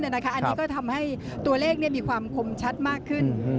อันนี้ก็ทำให้ตัวเลขมีความคมชัดมากขึ้น